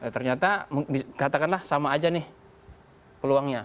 ternyata katakanlah sama aja nih peluangnya